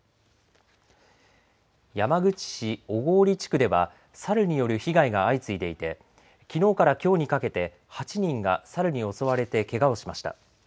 山口市小郡地区ではサルによる被害が相次いでいてきのうからきょうにかけて８人がサルに襲われてけがをしました。